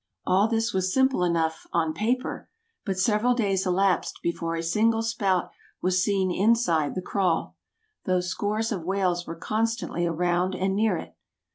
All this was simple enough "on paper"; but several days elapsed before a single spout was seen inside the kraal, though scores of whales were constantly around and near it.